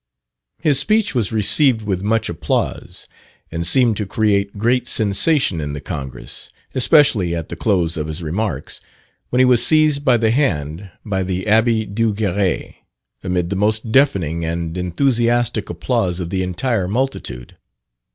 His speech was received with much applause, and seemed to create great sensation in the Congress, especially at the close of his remarks, when he was seized by the hand by the Abbe Duguerry, amid the most deafening and enthusiastic applause of the entire multitude.